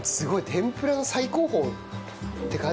天ぷらの最高峰って感じだよね